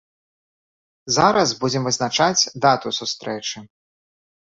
Зараз будзем вызначаць дату сустрэчы.